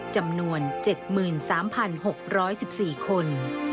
จำนวน๗๓๖๑๔คน